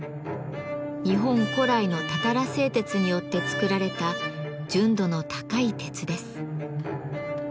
日本古来のたたら製鉄によって作られた純度の高い鉄です。